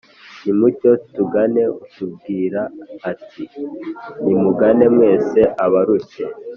nimucyo tugane utubwira ati: “nimungane mwese, abarushye